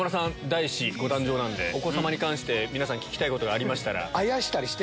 第１子ご誕生なんでお子様に関して皆さん聞きたいことがありましたら。